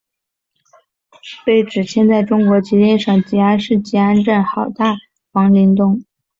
碑址现在中国吉林省集安市集安镇好太王陵东。